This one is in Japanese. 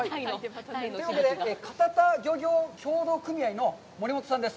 というわけで、堅田漁業協同組合の森本さんです。